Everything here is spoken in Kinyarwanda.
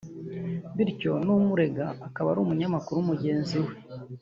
bityo n’umurega akaba ari n’umunyamakuru mugenzi we